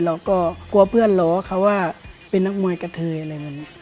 เราก็กลัวเพื่อนล้อเขาว่าเป็นนักมวยกระเทยอะไรแบบนี้